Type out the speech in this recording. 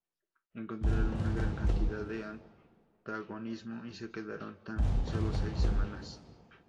Encontraron una gran cantidad de antagonismo y se quedaron tan sólo seis semanas.